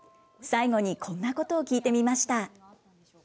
最後にこんなことを聞いてみました。